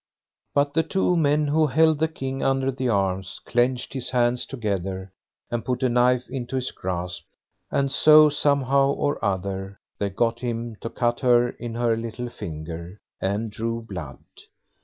But the two men who held the King under the arms, clenched his hands together, and put a knife into his grasp; and so, somehow or other, they got him to cut her in her little finger, and drew blood.